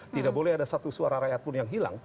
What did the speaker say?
tidak boleh ada satu suara rakyat pun yang hilang